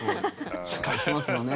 しっかりしてますよね